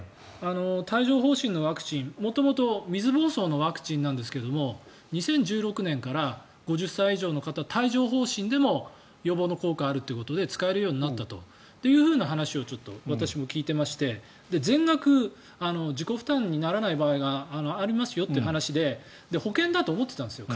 帯状疱疹のワクチン元々水ぼうそうのワクチンなんですが２０１６年から５０歳以上の方、帯状疱疹でも予防の効果があるということで使えるようになったという話をちょっと私も聞いていまして全額自己負担にならない場合がありますよという話で保険だと思ってたんですよ。